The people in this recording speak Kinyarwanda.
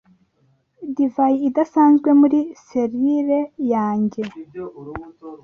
Divayi idasanzwe muri selire yanjye